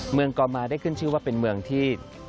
กอมาได้ขึ้นชื่อว่าเป็นเมืองที่